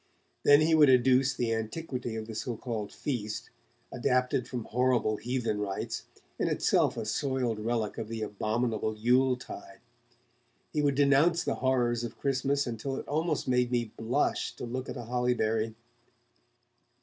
Then he would adduce the antiquity of the so called feast, adapted from horrible heathen rites, and itself a soiled relic of the abominable Yule Tide. He would denounce the horrors of Christmas until it almost made me blush to look at a holly berry.